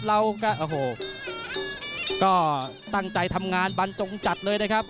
เราก็ตั้งใจทำงานบรรจงจัดเลยนะครับ